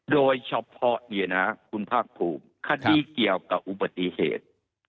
โดยเฉพาะเนี่ยนะคุณภาคภูมิคดีเกี่ยวกับอุบัติเหตุ